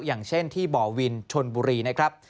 อย่างเช่นที่บ่อวินชนบุรีนะครับ